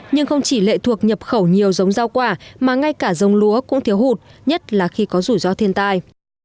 nhưng không chỉ lệ thuộc nhập khẩu nhiều giống rau quả mà ngay cả giống lúa cũng thiếu hụt nhất là khi có rủi ro thiên tai